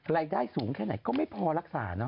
รายได้สูงแค่ไหนก็ไม่พอรักษาเนอ